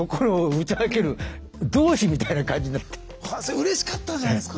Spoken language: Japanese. うれしかったんじゃないですか？